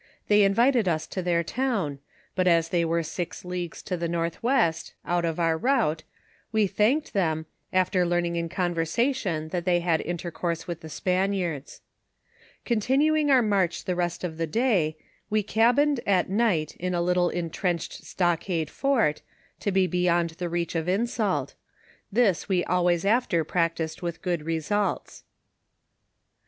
They invited us to their town, but as they were six leagues to tl.o northwest, out of our route, we thanked them, after learning in conversation, that they had intercourse with the Spaniards. Continuing our inarch the rest of the day, we cabined at night in a little in trenched stockade fort, to be beyond reach of insult ; tliis we always after practised with good results.